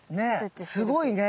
すごいね。